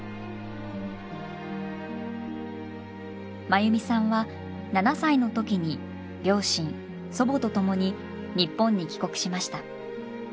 真由美さんは７歳の時に両親祖母と共に日本に帰国しました。